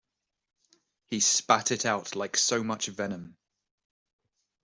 He spat it out like so much venom.